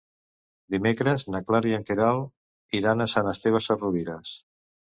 Dimecres na Clara i na Queralt iran a Sant Esteve Sesrovires.